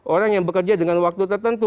orang yang bekerja dengan waktu tertentu